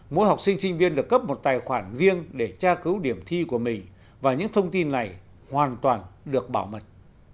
mỗi học sinh sinh viên được cấp một tài khoản riêng để tra cứu điểm thi của mình và những thông tin này hoàn toàn được bảo mật